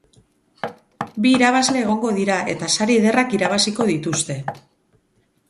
Bi irabazle egongo dira eta sari ederrak irabaziko dituzte.